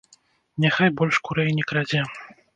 Няхай больш курэй не крадзе.